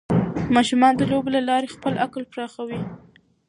ماشومان د لوبو له لارې خپل عقل پراخوي.